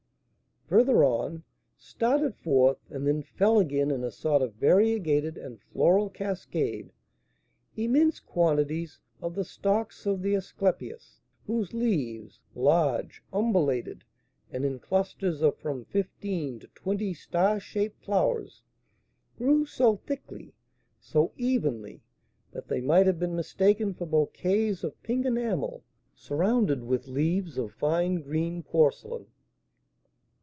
Farther on, started forth, and then fell again in a sort of variegated and floral cascade, immense quantities of the stalks of the asclepias, whose leaves, large, umbellated, and in clusters of from fifteen to twenty star shaped flowers, grew so thickly, so evenly, that they might have been mistaken for bouquets of pink enamel surrounded with leaves of fine green porcelain.